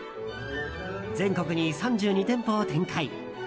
全国に３２店舗を展開。